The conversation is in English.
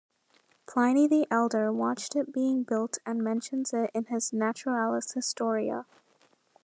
Pliny the Elder watched it being built and mentions it in his "Naturalis Historia".